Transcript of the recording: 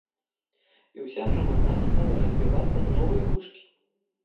І ўся грамада стала разбівацца на новыя кучкі.